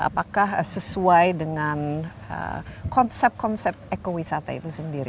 apakah sesuai dengan konsep konsep ekowisata itu sendiri